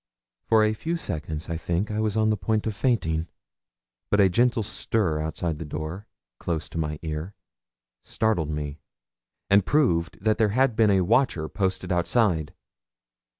For a few seconds, I think, I was on the point of fainting; but a gentle stir outside the door, close to my ear, startled me, and proved that there had been a watcher posted outside.